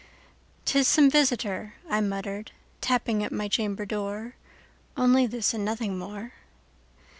"'T is some visitor," I muttered, "tapping at my chamber door; Only this and nothing more."